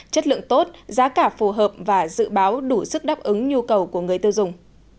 chất lượng tốt giá cả phù hợp và dự báo đủ sức đáp ứng nhu cầu của người tiêu dùng